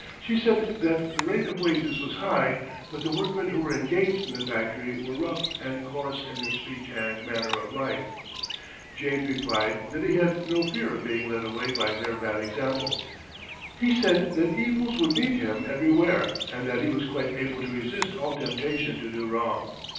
She said that the rate of wages was high, but the workmen who were engaged in the factory were rough and coarse in their speech and manner of life. James replied that he had no fear of being led away by their bad example. He said that evils would meet him everywhere, and that he was quite able to resist all temptation to do wrong.